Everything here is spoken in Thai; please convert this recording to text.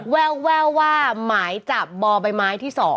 แววว่าหมายจับบ่อใบไม้ที่๒